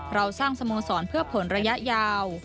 เราสร้างสโมสรเพื่อผลระยะยาว